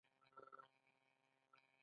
دولتي ورځپاڼې معلومات خپروي